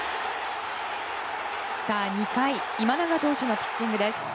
２回今永投手のピッチングです。